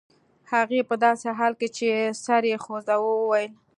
هغې په داسې حال کې چې سر یې خوځاوه وویل